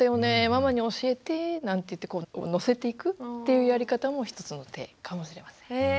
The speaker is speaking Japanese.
ママに教えて」なんて言って乗せていくっていうやり方も一つの手かもしれません。